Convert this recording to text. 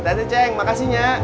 hati hati ceng makasihnya